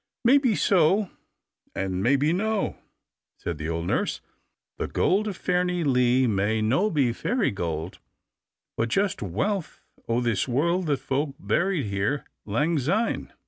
"Maybe so, and maybe no," said the old nurse. "The Gold o' Fairnilee may no be fairy gold, but just wealth o' this world that folk buried here lang syne.